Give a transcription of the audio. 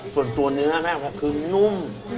ส่วนตัวเนื้อแม่พอคือนุ่ม